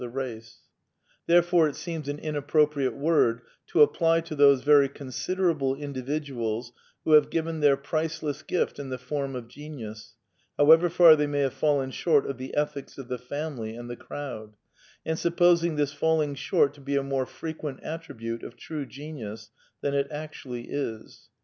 thfijcacfi» ( Therefore it seems an inappropriate word to apply to those very con siderable individuals who have given their priceless gift in C the form of genius, however far they may have fallen short of the ethics of the family and the crowd, and supposing this falling short to be a more frequent attribute of " true genius " than it actually is.